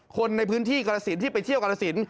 คนในพื้นที่กรสินที่ไปเที่ยวกรสิน